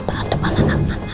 tahan depan anak anak